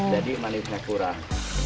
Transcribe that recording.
jadi manisnya kurang